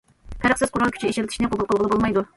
پەرقسىز قورال كۈچى ئىشلىتىشنى قوبۇل قىلغىلى بولمايدۇ.